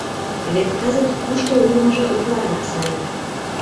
Вет кызыт кушто улмыжо утларак сай.